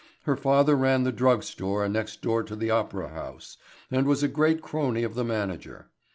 Her father ran the drug store next door to the Opera House and was a great crony of the manager.